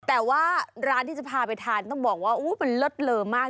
แต่ว่าร้านที่จะพาไปทานต้องบอกว่ามันเลิศเลอมาก